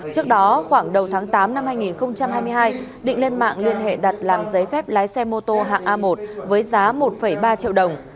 trước đó khoảng đầu tháng tám năm hai nghìn hai mươi hai định lên mạng liên hệ đặt làm giấy phép lái xe mô tô hạng a một với giá một ba triệu đồng